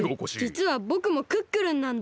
じつはぼくもクックルンなんだ！